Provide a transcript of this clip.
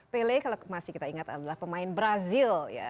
pele kalau masih kita ingat adalah pemain brazil ya